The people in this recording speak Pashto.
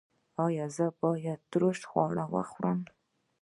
ایا زه باید ترش خواړه وخورم؟